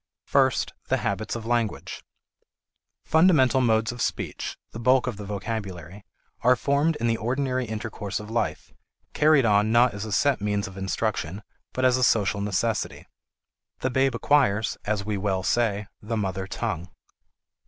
First, the habits of language. Fundamental modes of speech, the bulk of the vocabulary, are formed in the ordinary intercourse of life, carried on not as a set means of instruction but as a social necessity. The babe acquires, as we well say, the mother tongue.